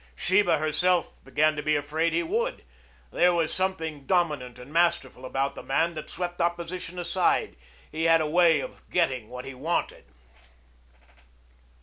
Sheba herself began to be afraid he would. There was something dominant and masterful about the man that swept opposition aside. He had a way of getting what he wanted.